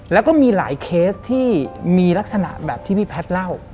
แล้วก็มีหลายเคสที่มีลักษณะแบบที่พี่แพทย์เล่า